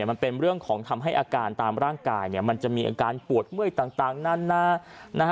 มันเป็นเรื่องของทำให้อาการตามร่างกายมันจะมีอาการปวดเมื่อยต่างนานา